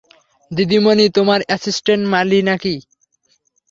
দিদিমণি তোমার অ্যাসিস্টেন্ট মালী নাকি।